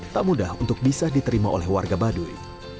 tak mudah untuk bisa diterima oleh warga baduy